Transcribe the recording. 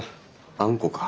あんこか。